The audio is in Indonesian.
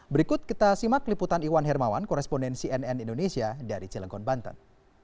berikut kita simak liputan iwan hermawan korespondensi nn indonesia dari cilegon banten